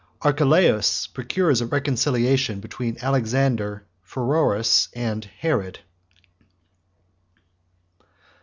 Archelaus Procures A Reconciliation Between Alexander Pheroras, And Herod.